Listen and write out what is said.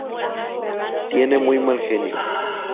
Tiene muy mal genio.